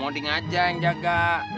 obading aja yang jaga